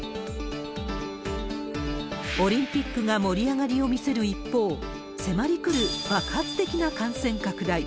オリンピックが盛り上がりを見せる一方、迫りくる爆発的な感染拡大。